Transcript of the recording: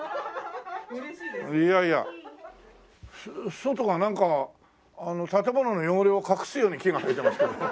外がなんか建物の汚れを隠すように木が生えてますけど。